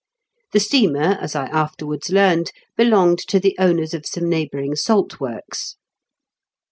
The steamer, as I afterwards learned, belonged to the owners of some neighbouring salt works.